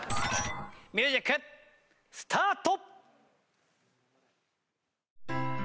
ミュージックスタート！